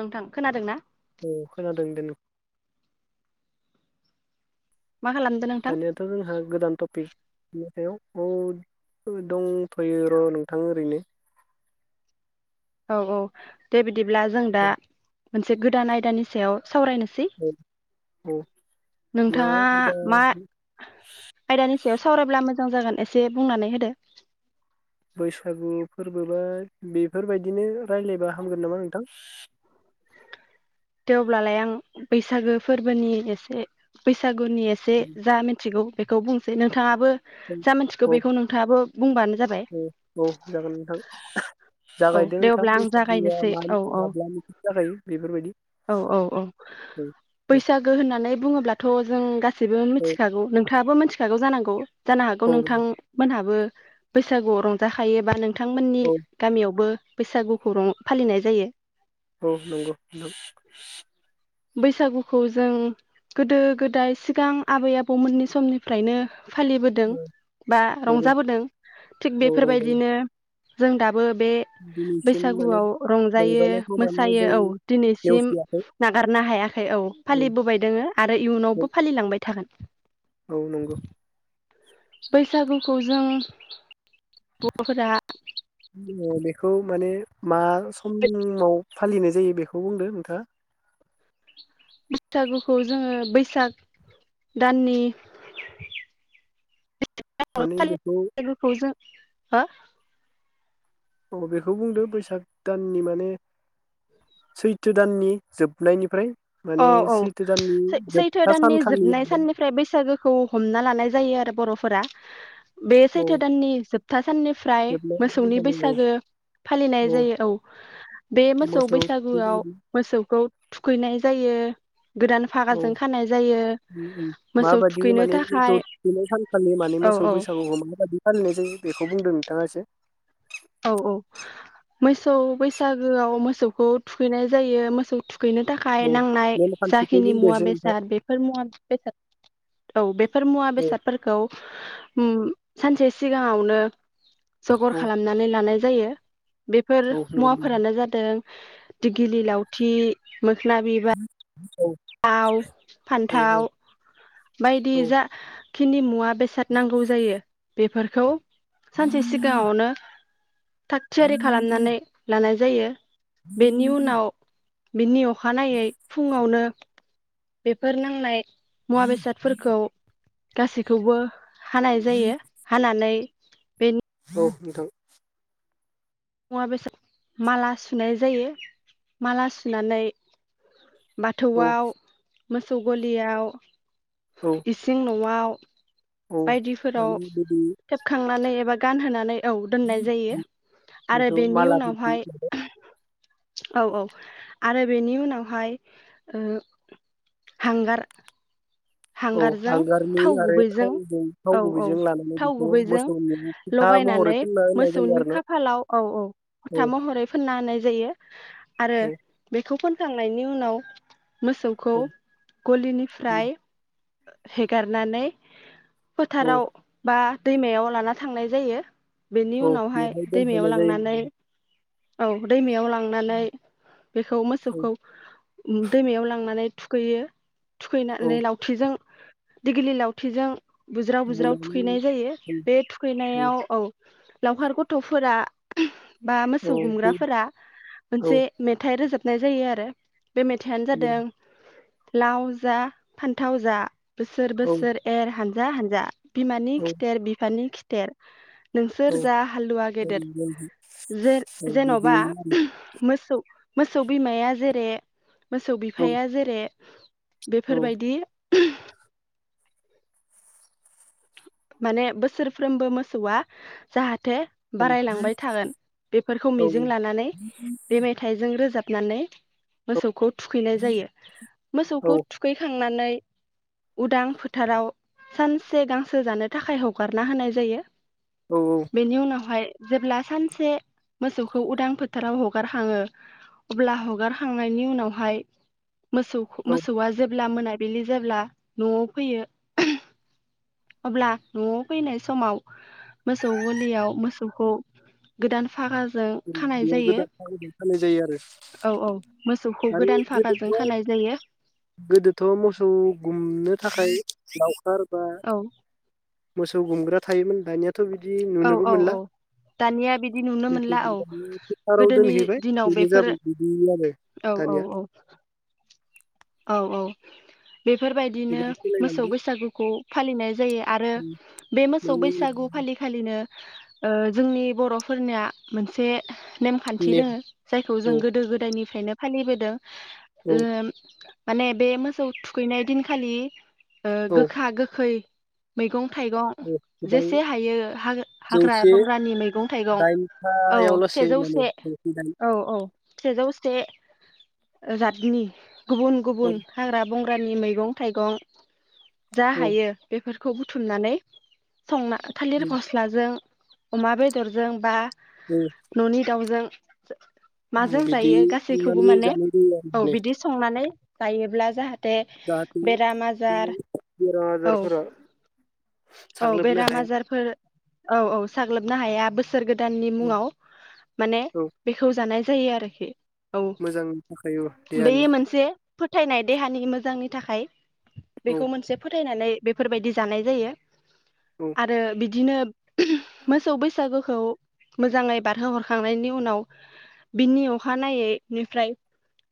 नोंथां खोनादों ना औ खोनादों दे मा खालामदो नोंथां दानियाथ' जोंहा गोदान तपिक मेथायाव औ दंथ'यो र' नोंथां ओरैनो औ औ दे बि दिब्ला जों दा मोनसे गोदान आयदानि सायाव सावरायनोसै औ औ मा नोंथाङा होनबा मा आयदानि सायाव सावरायब्ला मो जां जागोन एसे बुंनानै होदो बैसागु फोरबोबा बेफोरबायदिनो रायलायबा हामगोन नामा नोंथां थेवब्लालाय आं बैसागो फोरबोनि एसे बैसा गोनि एसे जा मिथिगौ बेखौ बुंसै नों थाङाबो जा मिथिखौ औ बेखौ नोंथाङाबो बुंबानो जाबाय औ औ जागोन नोंथां नोंथां औ जागायदो दे अब्ला आं बैसागुआ जागायनोसै मा औ औ माब्लानिफ्राय जागायो बेफोरबायदि औ औ औ औ दे बैसागो होननानै बुङोब्ला थ' जों गा सिबो औ मिथिखागौ नोंङाबो मि‌थि खागौ जानांगौ जानो हागौ नोंथांमोनहाबो बैसागुआव रंजाखायोबा नों थांमोननि औ यावबो बैसागुखौ रं फालिनाय जायो। औ नंगौ। बैसागुखौ जों गोदो गोदाय सिगां आबै आबौ मोन फालिबोदों औ बा नंगौ रंजाबोदों थिग औ रंजायो बेफोरबायदिनो जों दा बो बे दिनैसिम माने बैसागुआव रंजायो रंजानायखौ माने मोसायो जों औ दिनैसिम नेवसियाखै न गारनो हायाखै औ फालिबोबाय दोङो आरो इयुनावबो फालिलांबाय थागोन। औ नंगौ। बैसागुखौ जों बर'फोरा बेखौ माने मा समाव फालिनाय जायो। बेखौ बुंदो नोंथाङा? बैसागुखौ जोङो बैसाग दाननि। माने [unintelligible] बेखौ लोगोखौ जों हो औ बेखौ बुंदो बैसाग दाननि माने सैथो दाननि जोबनायनिफ्राय माने औ औ सैथो दाननि सैथो जोबथा दाननि सानखालि जोबनाय साननिफ्राय बैसागोखौ हमना लानाय जायो आरो बर' फोरा बे औौ सैथो दाननि जोबथा साननिफ्राय जोबनाय मोसौनि सानखालि औ बैसागो फालिनाय जायो औ बे मोसौ बैसागुआव मोसौखौ थुखैयनाय जायो। औ जायो उम उम मोसौ माबादि थुखैनो माने मोसौ थाखाय थनै सानखालि माने औ मोसौ औ बैसागुखौ माबायदि फालिनाय जायो बेखौ बुंदों। थाखाय सै औ औ मोसौ बैसागोआव मोसौखौ थुखैनाय जायो मोसौ थुख गैनो थाखाय औ नांनाय नेमखान्थिखौ जाखिनि बुंदो मुवा एसे नोंथां बेसाद बेफोर मुवा बेसाद औ फोरखौ बेफोर मुवा औ बेसादफोरखौ ओम सानसे सिगाङावनो जगर औ खालामनानै लानाय जायो। बेफोर औ नंगौ मुवाफोरानो जादों दगिलि लावथि मोख्ना बिबार औ दाव औ औ फान्थाव बायदि औ जा खिनि मुवा बेसाद नांगौ जायो बेफोरखौ सानसे सिगाङावनो थाग थियारि खालामनानै लानाय जायो। बेनि उनाव बिनि अ अखानायै फुङावनो बेफोर नांनाय मुवा बेसादफोरखौ गासैखौबो हानाय जायो। हानानै बे औ नोंथां मुवा बेसाद माला सुनाय जायो। माला सुनानै औ बाथौआव मोसौ गलियाव औ इसिं नयाव औ [inaudible] बायदिफोराव माने बिदि थेबखांनानै एबा गान होनानै औ दोननाय जायो। आरो बेखौ बेनि उनावहाय मालाफोरखौ औ औ आरो बेनि उनावहाय ओ हांगार औ हांगारजों हांगारनि थाव आरो गुबैजों थावजों थाव औ औ गुबैजों लानानै थाव बेखौ गुबैजों मोसौनि फथा महरै लगायनानै फुनना होनाय जायो मोसौनि आरो ना खाफालाव औ औ फथा औ महरै फोनना होनाय जायो आरो औ बेखौ फोन फोनखांनायनि उनाव मोसौखौ गलिनिफ्राय हेगारनानै औ फोथाराव बा दैमायाव लाना थांनाय जायो। बेनि औ उनावहाय बेवहाय दैमायाव दोनहैनाय जायो लांनानै औ दैमायाव लांनानै बेखौ औ मोसौखौ उम दैमायाव लांनानै थुखैयो। थुखैनानै औ लाव थिजों दिग्लि लावथिजों बुज्राव बुज्राव बुनानै थुखैनाय जायो। बे थुखैनायाव औ लावखार गथफोरा बा औ मोसौ गुमग्राफोरा औ मोनसे मेथाइ रोजाब नाय जायो आरो। बे मेथाइयानो जादों लाव जा फान्थाव जा बोसोर औ बोसोर एर हान हानजा हानजा बिमानि खिथेर बिफानि खिथ थेर नोंसोर औ जा हालुवा गेदेर। जे जेनबा बिदियैनो मोसौ मोसौ बिमाया जेरै मोसौ आरो बिफाया जेरै बेफोर औ बाय [inaudible] माने बोसोरफ्रोमबो मोसौआ जाहा थे औ बारायलांबाय थागोन बेफोरखौ औ मिजिं लानानै बे मेथाइजों रोजाब नानै मोसौखौ थुखैनाय जायो। मोसौखौ औ थुखैखांनानै उदां फोथाराव सान से गांसो जानो थाखाय हगारना होनाय जायो। औ बेनि उनावहाय जेब्ला सानसे मोसौखौ उदां फोथाराव हगारखाङो अब्ला हगारखांनायनि उनावहाय मोसौ औ मोसौआ जेब्ला मोना बिलि जाब्ला नयाव फैयो। अब्ला नयाव फैनाय समाव मोसौ गलियाव मोसौखौ गोदान फागा बेयाव गोदान फागाजों खानाय जायो आरो औ औ मोसौखौ आरो गोदान फागाजों गोदोथ खानाय जायो गोदोथ मोसौ गुमनो थाखाय लाव खार बा औ मोसौ सौ गुमग्रा थायोमोन। दानिया औ औ औ दानिया बिदि नुनो मोन दुब्लिबारि फोथाराव दोनहैबाय बेनो बेफोर जाबाय बिदि आरो औ औ दानिया। औ औ औ बेफोर बायदिनो गोबां मोसौ सोलायलांबाय बैसागुखौ फालिनाय जायो आरो बे मोसौ बेनि उनाव बैसागु फालिखालिनो ओ जोंनि बर'फोरनिया मोनसे नेमखान्थि नेम दोङो जायखौ जों औ गोदो गोदायनिफ्रायनो फालिबोदों। औ ओ माने बे मोसौ थुखैनाय दिनखालि ओ औ गोखा गोखै मैगं थाइगं औ गोबां जेसे हायो हाग्रा जौसे बंग्रानि मैगं थाइगं औ दाइनथायाव लासै सेजौ माने से जौसे दाइन औ औ सेजौ से जातनि गुबुन औ गुबुन हाग्रा बंग्रानि मैगं थाइगं जा औ हायो। बेफोर खौ बुथुमनानै संना थालिर गस्लाजों अमा बेदरजों बा औ ननि दाउजों [inaudible] औ माजों बिदि जायो गासैखौबो संनानै माने जानाय जायो आरो औ माने बिदि संनानै जायोब्ला जाहाथ ते जाहाथे बेराम बे आजार बेराम औ आजारफोरा औ औ साग्लोबनो बेराम हाया आजारफोर औ औ साग्लोबनो हाया। बो बोसोर गोदाननि मुङाव माने औ बेखौ जानाय जायो आरोखि। औ मोजांनि थाखाय औ देहानि बेयो मोनसे फोथायनाय देहानि मोजांनि थाखाय औ बेखौ मोनसे फोथायनानै बेफोर बायदि जानाय जायो। औ आरो बिद बिदिनो मोसौ बैसागोखौ मोजाङै बारहो हरखांनायनि उनाव बिनि अखानायैनिफ्राय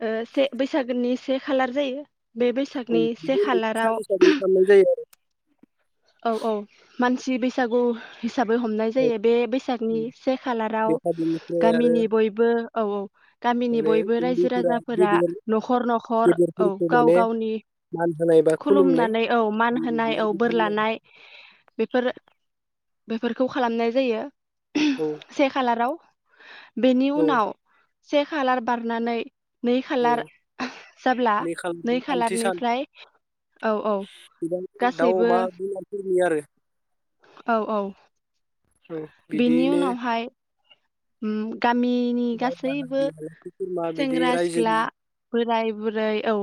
ओ से बैसागोनि से खालार जायो। बे औ‌ बैसागनि से बेबायदि खालाराव सारि सारि खालामनाय जायो आरो। औ औ मानसि बैसागु हिसाबै हमनाय आरो जायो। बे बैसागनि से खालाराव बेहा बेनिफ्राय आरो गामिनि बयबो औ औ गामिनि माने बयबो रायजो उन्दैफोरा राजाफोरा गेदेर नखर नखर औ गेदेरफोरखौ गाव माने गावनि मान होनाय बा खुलुमनाय खुलुमनानै औ मान बोर होनाय लानाय औ बोर बिदि लानाय बेफोर बेफोरखौ खालामनाय जायो। आरो। औ से खालाराव बेनि औ उनाव से खालार बारनानै नै औ खालार जाब्ला बे खालार नै थामथि सान खालारनिफ्राय औ औ गासैबो फोरनि आरो औ औ औ बेनि बिदियैनो उनावहाय हम गामिनि बाय गासैबो बाहागि आलासि खुरमा बिदि सेंग्रा सिख्ला रायजोनि बोराय बुरै औ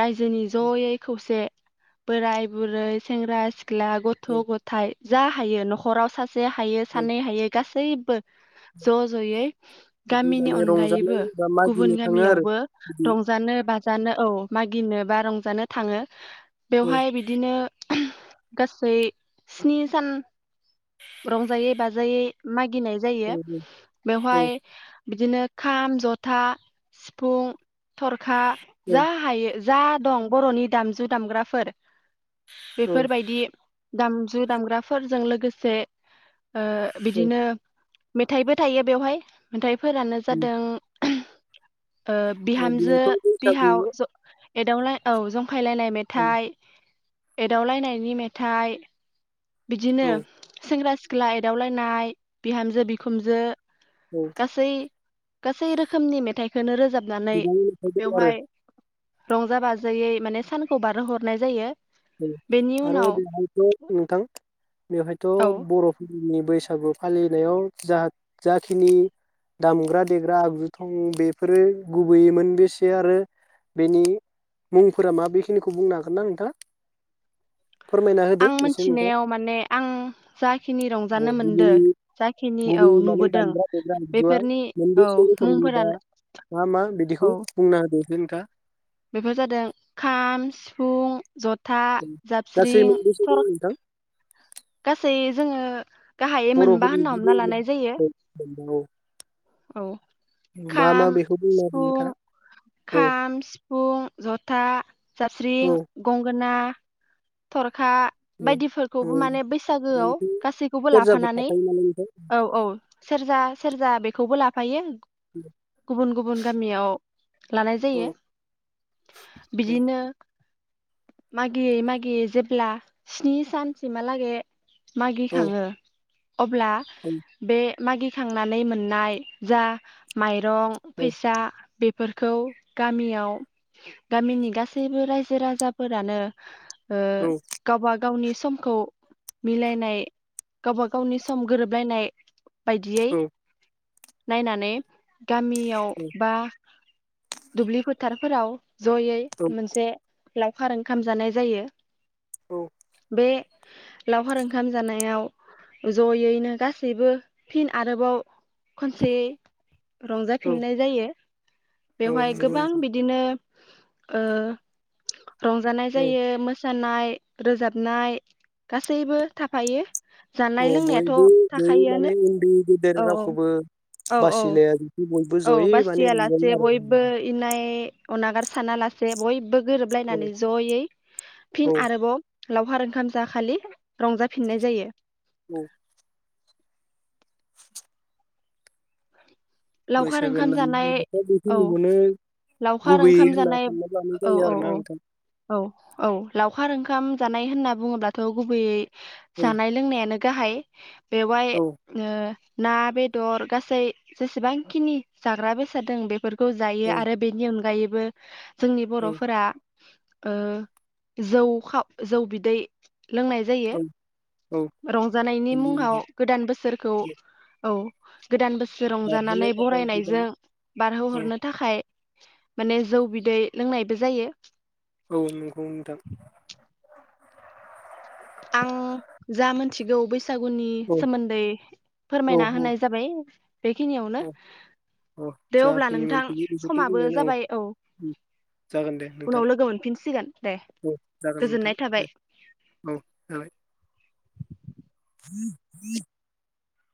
रायजोनि जयै खौसे बोराय बुरै सेंग्रा सिख ला गथ औ गथाय जा हायो नखराव सा से हायो औ सानै हायो गासै सैबो ज जयै बिदि गामिनि माने रंजानाय अनगायैबो बा गुबुन मागिनो थाङो आरो गामियावबो बिदि रंजानो बाजानो औ मा गिनो बा रंजानो थाङो। औ बेवहाय बिदिनो गासै स्नि सान रंजायै बाजायै माग गिनाय जायो। औ औ बेवहाय बिदिनो खाम जथा सिफुं थरखा जा हायो। जा दं बर'नि दामजु दामग्राफोर औ बेफोर बायदि दामजु दामग्राफोरजों लोगोसे ओ औ बिदिनो मेथाइबो थायो बेवहाय मेथाइ फोरानो जादों ओ औ बिहामजो बेयावथ' बैसागु बिहाव जं एदावलाय औ जं खायलायनाय औ मेथाइ एदावलायनायनि मेथाइ बिदिनो औ सेंग्रा सिख ख्ला एदावलायनाय बिहामजो बिखुमजो औ गासै गासै रोखोमनि मेथाइखौनो रोजाब बिनिबो मेथाइ दं आरो। रंजा बाजायै माने सानखौ बारहो हरनाय जायो। बेनि आरो उनाव बेवहायथ नोंथां बेवहायथ औ बर'फोरनि बै सागु फालिनायाव जा जाखिनि दामग्रा देग्रा आगजु दं बेफोरो गुबैयै मोनबेसे आरो बेनि मुंफोरा मा बेखिनिखौ बुंनो हागोन ना नोंथां? फोरमायना होदो आं एसे नोंथां। मोनथिनायाव माने आं जाखिनि रंजानो गुबै मोनदो जाखिनि औ गुबै माने नुबोदों दामग्रा देग्रा आगुआ बेफोरनि औ मोनबेसे रोखोमनि बा मुंफोरानो मा मा औ बिदिखौ बुंना होदो एसे नोंथाङा। बेफोर जादों खाम सिफुं जथा उम गासै‌ जाबस्रिं मोनबोसे दं थर नोंथां? गासै जोङो गाहायै मोनबा बर'फोरनि होनना हमना गुबै लानाय जायो [unintelligible] मोनबा। औ मा खाम बेखौ बुंनो हागोन सिफुं नोंथाङा औ खाम सिफुं जथा जास्रिं औ गंगोना थर खा औ बायदिफोरखौबो माने बैसागोआव औ गासैखौबो सेरजाफोर लाफानानै थाफायो नालाय नोंथां औ औ सेरजा सेरजा बे खौबो लाफायो। गुबुन गुबुन गामियाव लानाय औ जायो। औ बिदिनो मागियै माग गियै जेब्ला स्नि सानसिमहालागै मागि औ खाङो। अब्ला औ बे मागि खांनानै मोननाय जा माइ रं औ फैसा बे फोरखौ गामियाव गामिनि गासैबो रायजो राजाफोरानो ओ‌ गावबा गावनि समखौ मिलायनाय गावबा गावनि सम गोरोबलायनाय बायदियै नायनानै गामियाव बा दुब्लि फोथारफोराव जयै मोनसे लावखार ओंखाम जानाय जायो बे लावखार ओंखाम जानायाव जयैनो गासैबो फिन आरोबाव खनसेयै औ औ रंजाफिननाय जायो बेवहाय नंगौ गोबां नोंथां औ बिदिनो ओ रंजानाय औ जायो मोस सानाय रोजाबनाय गासैबो थाफायो। जानाय औ लोंनायाथ' बयबो जयै थाखायोआनो माने उन्दै गेदेर औ रावखौबो औ औ बासिलाया बिदि बय औ बासिथियालासे बयबो इनाय ए अगार सानालासे बयबो औ गोरोबलायनानै जयै फिन औ आरोबाव लावखार ओंखाम जाखालि रंजाफिननाय जायो औ लावखार बैसागो ओंखाम होननानै जानाय बुंबाथ औ बेखिनिखौनो लावखार गुबैयै ओंखाम होनना जानाय सानना लानाय औ जायो औ आरो औ ना नोंथां। औ औ लावखार ओंखाम जानाय होनना बुङोब्लाथ' गुबैयै औ जानाय लोंनायानो गाहाय बेवहाय औ ओ ना बेदर गासै जेसेबांखिनि जाग्रा बेसाद दों बे फोरखौ जायो औ आरो बेनि अनगायै बो जोंनि बर'फोरा ओ जौ खाव जौ बिदै लोंनाय जायो औ औ रंजानायनि नंगौ मुङाव नोंथां गोदान बोसोरखौ औ गोदान बोस सो बारहोनो रंजानानै थाखाय गोबां बरायनायजों औ बारहोहरनो थाखाय माने जौ बिदै लोंनायबो जायो औ नंगौ नोंथां। आं जा मोनथिगौ बै सागुनि औ सोमोन्दै औ फोरमायना औ। होनाय जाबाय। बेखिनियावनो औ औ दे अब्ला जाखिनि नोंथां मोनथिगौ बेखौथ' समाबो बुंबायानो जाबाय औ जागोन दे नोंथां। उनाव लोगो मोनफिनसिगोन दे औ जागोन नोंथां गोजोननाय दे थाबाय औ जागोन। [unintelligible]